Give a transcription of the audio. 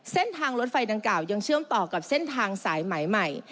เส้นทางรถไฟดังกล่าวยังเชื่อมต่อกับเส้นทางสายไหมใหม่